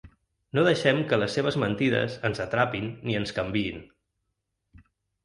No deixem que les seves mentides ens atrapin ni ens canviïn.